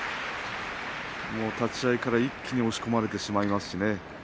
立ち合いから一気に押し込まれてしまいますしね。